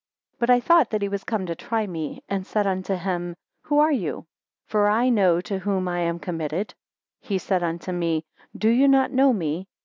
3 But I thought that he was come to try me, and said unto him, Who are you? For I know to whom I am committed. He said unto me, Do you not know me?